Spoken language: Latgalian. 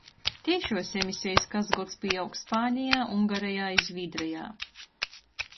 Teišuos emisejis kasgods pīaug Spanejā, Ungarejā i Zvīdrejā.